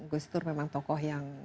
gustur memang tokoh yang